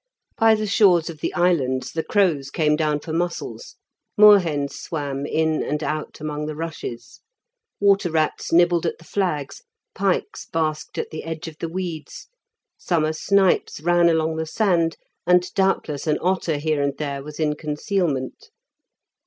By the shores of the islands the crows came down for mussels. Moorhens swam in and out among the rushes, water rats nibbled at the flags, pikes basked at the edge of the weeds, summer snipes ran along the sand, and doubtless an otter here and there was in concealment.